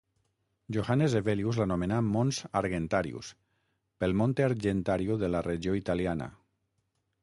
Johannes Hevelius l'anomenà "Mons Argentarius", pel Monte Argentario de la regió italiana.